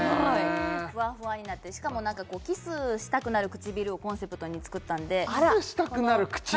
ふわふわになってしかも何かキスしたくなる唇をコンセプトに作ったのでキスしたくなる唇！